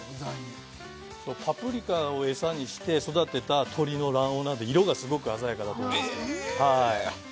パプリカを餌にして育てた鶏の卵黄なので色がすごく鮮やかだと思います